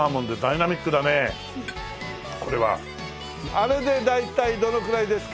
あれで大体どのくらいですか？